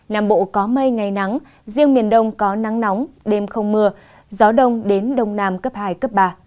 nam bộ có mây ngày nắng riêng miền đông có nắng nóng đêm không mưa gió đông đến đông nam cấp hai cấp ba